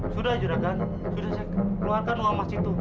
sudah juragan sudah saya keluarkan uang emas itu